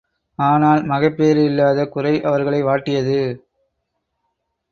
ஆனால் மகப்பேறு இல்லாத குறை அவர்களை வாட்டியது.